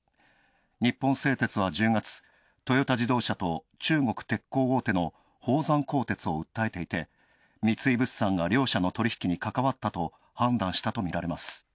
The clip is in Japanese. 日本製鉄は１０月、トヨタ自動車と中国鉄鋼大手の宝山鋼鉄を訴えていて、三井物産が両社の取引に関わったと判断したとみられます。